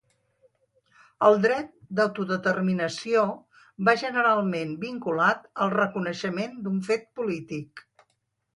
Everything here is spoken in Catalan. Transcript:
El dret d’autodeterminació va generalment vinculat al reconeixement d’un fet polític.